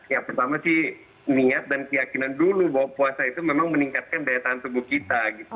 yang pertama sih niat dan keyakinan dulu bahwa puasa itu memang meningkatkan daya tahan tubuh kita gitu